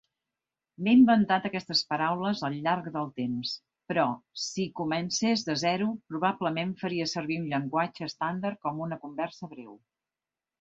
M'he inventat aquestes paraules al llarg del temps, però, si comencés de zero, probablement faria servir un llenguatge estàndard com una conversa breu.